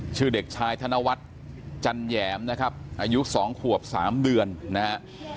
ชื่อเด็กชายธนวัฒน์จันแหยมนะครับอายุ๒ขวบ๓เดือนนะฮะ